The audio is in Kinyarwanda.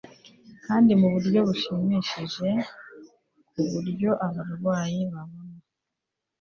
kandi mu buryo bushimishije ku buryo abarwayi babona